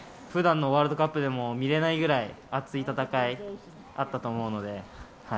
ふだんのワールドカップでも見れないぐらい熱い戦いあったと思う